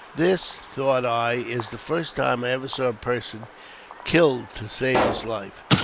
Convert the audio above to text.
This, thought I, is the first time I ever saw a person killed to save his life.